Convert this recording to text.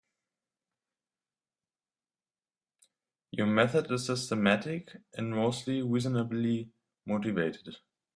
Your method is systematic and mostly reasonably motivated.